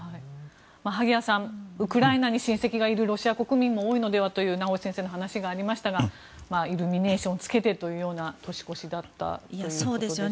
萩谷さん、ウクライナに親戚がいるロシア国民も多いのではという名越先生の話がありましたがイルミネーションをつけてという年越しだったということですが。